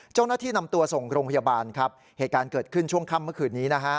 เจ้าหน้าที่นำตัวส่งโรงพยาบาลครับเหตุการณ์เกิดขึ้นช่วงค่ำเมื่อคืนนี้นะฮะ